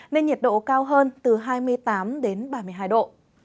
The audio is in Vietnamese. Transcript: nên nhiệt độ cao hơn từ hai mươi tám đến ba mươi hai độ